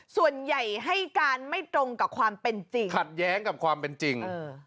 ส่วนใหญ่ให้การไม่ตรงกับความเป็นจริงขัดแย้งกับความเป็นจริง